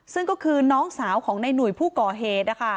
ซึ่งก็คือน้องสาวของในหนุ่ยผู้ก่อเหตุ